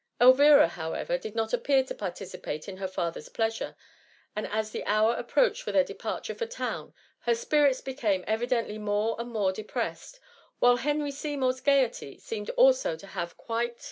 Elvira, however, did not appear to participate in her father^s pleasure, and as the hour approached for their departure for town, her spirits became evi« dently more and more depressed ; whilst Henry Sey mourns gaiety seemed also to have quit^ THE MUMMT.